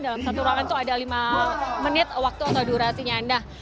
dalam satu ruangan itu ada lima menit waktu atau durasinya anda